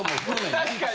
確かに。